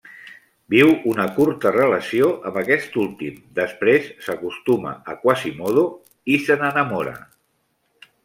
Viu una curta relació amb aquest últim, després s'acostuma a Quasimodo i se n'enamora.